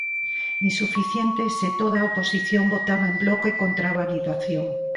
Insuficientes se toda a oposición votaba en bloque contra a validación.